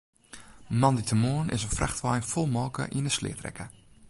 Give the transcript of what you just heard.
Moandeitemoarn is in frachtwein fol molke yn 'e sleat rekke.